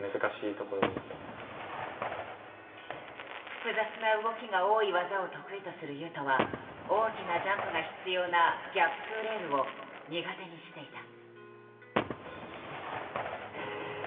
複雑な動きが多い技を得意とする雄斗は大きなジャンプが必要な「ギャップｔｏレール」を苦手にしていた。